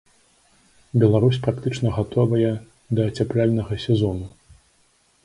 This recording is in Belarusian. Беларусь практычна гатовая да ацяпляльнага сезону.